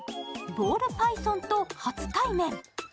ボールパイソンと初対面。